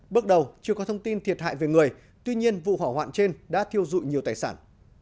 bước đầu chưa có thông tin thiệt hại về người tuy nhiên vụ hỏa hoạn trên đã thiêu dụi nhiều tài sản